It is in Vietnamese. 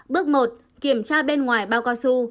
bước một kiểm tra bên ngoài bao cao su